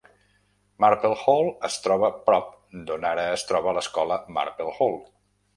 Marple Hall es troba prop d'on ara es troba l'escola Marple Hall.